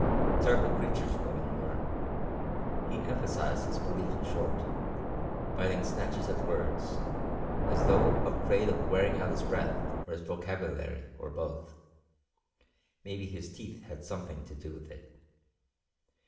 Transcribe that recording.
Terrible creatures, women were. He emphasized his belief in short, biting snatches of words, as though afraid of wearing out his breath or his vocabulary or both. Maybe his teeth had something to do with it.